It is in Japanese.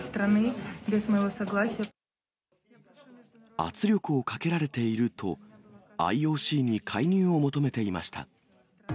圧力をかけられていると、ＩＯＣに介入を求めていました。